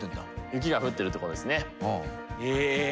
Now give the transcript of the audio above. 雪が降ってるってことですね。